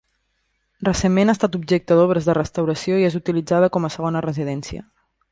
Recentment ha estat objecte d'obres de restauració i és utilitzada com a segona residència.